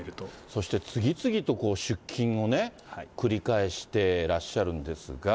そして次々と出金をね、繰り返してらっしゃるんですが。